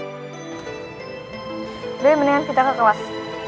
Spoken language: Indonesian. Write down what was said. udah ya mendingan kita ke kelas